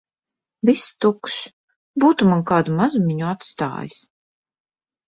Viss tukšs. Būtu man kādu mazumiņu atstājis!